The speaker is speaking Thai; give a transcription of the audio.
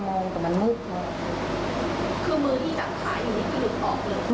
คือมือที่จับขาอยู่นี่คือหยุดต่อเกิด